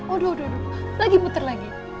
aduh lagi muter lagi